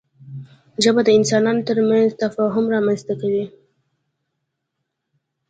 ژبه د انسانانو ترمنځ تفاهم رامنځته کوي